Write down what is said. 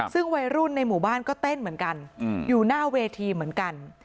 ซึ่งวัยรุ่นในหมู่บ้านก็เต้นเหมือนกันอยู่หน้าเวทีเหมือนกัน